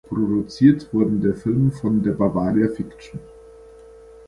Produziert wurde der Film von der Bavaria Fiction.